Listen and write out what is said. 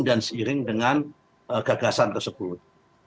dan seiring dengan gagasan tersebut